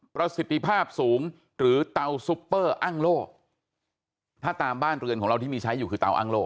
ประสิทธิภาพสูงหรือเตาซุปเปอร์อ้างโล่ถ้าตามบ้านเรือนของเราที่มีใช้อยู่คือเตาอ้างโล่